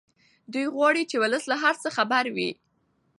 دی غواړي چې ولس له هر څه خبر وي.